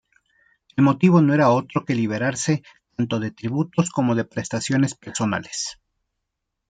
El motivo no era otro que liberarse tanto de tributos como de prestaciones personales.